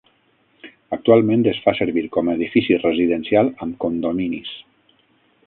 Actualment es fa servir com a edifici residencial amb condominis.